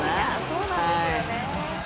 そうなんですよね。